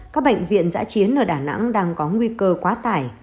các bệnh viện giã chiến ở đà nẵng đang có nguy cơ quá tải